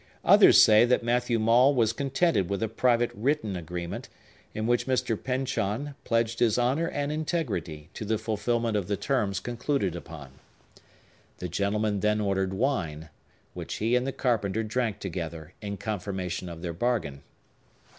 Others say that Matthew Maule was contented with a private written agreement, in which Mr. Pyncheon pledged his honor and integrity to the fulfillment of the terms concluded upon. The gentleman then ordered wine, which he and the carpenter drank together, in confirmation of their bargain.